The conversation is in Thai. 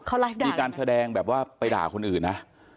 ไม่เคยเห็นใครเขามีการแสดงแบบว่าไปด่าคนอื่นนะ